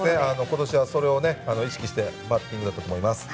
今年はそれを意識したバッティングだと思います。